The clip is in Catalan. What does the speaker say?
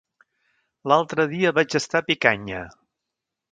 L'altre dia vaig estar a Picanya.